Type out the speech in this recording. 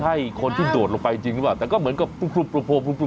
ให้คนที่ดดลงไปจริงเปล่า